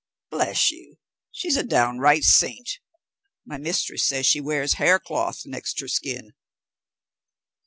Bless you, she's a downright saint; my mistress says she wears hair cloth next her skin."